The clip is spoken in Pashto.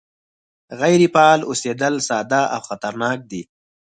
غیر فعال اوسېدل ساده او خطرناک دي